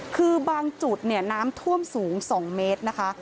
คือบางจุดเนี่ยน้ำท่วมสูง๒เมตรนะคะ